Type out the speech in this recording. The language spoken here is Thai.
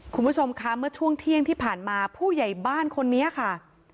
คุณผู้ชมคะเมื่อช่วงเที่ยงที่ผ่านมาผู้ใหญ่บ้านคนนี้ค่ะ